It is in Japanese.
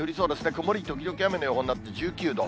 曇り時々雨の予報になって１９度。